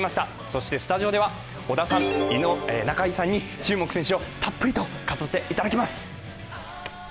そしてスタジオでは織田さん、中井さんに注目選手をたっぷりと語っていただきます。